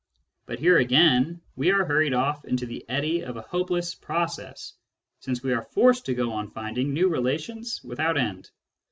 But here again we are hurried ofF into the eddy of a hopeless process, since we are forced to go on finding new relations without end.